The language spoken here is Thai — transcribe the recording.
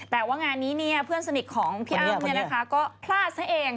แต่ว่างานนี้เนี่ยเพื่อนสนิทของพี่อ้ำเนี่ยนะคะก็พลาดซะเอง